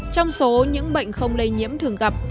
trong số những bệnh không lây nhiễm thường gặp